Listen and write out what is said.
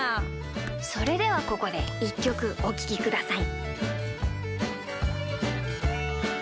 それではここでいっきょくおききください。